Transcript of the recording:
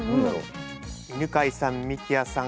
犬飼さん幹葉さん